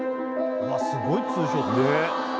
すごいツーショット。